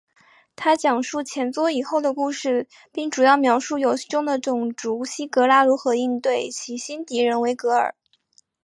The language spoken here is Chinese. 它讲述前作以后的故事并主要描述游戏中的种族希格拉如何应对其新敌人维格尔。